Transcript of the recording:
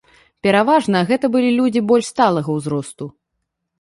Пераважна гэта былі людзі больш сталага ўзросту.